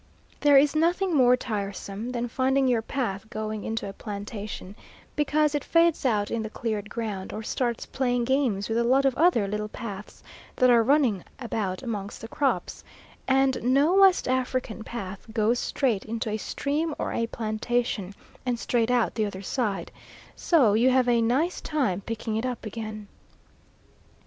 There is nothing more tiresome than finding your path going into a plantation, because it fades out in the cleared ground, or starts playing games with a lot of other little paths that are running about amongst the crops, and no West African path goes straight into a stream or a plantation, and straight out the other side, so you have a nice time picking it up again.